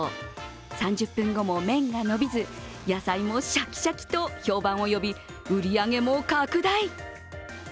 ３０分後も麺が伸びず野菜もしゃきしゃきと評判を呼び、売り上げも拡大。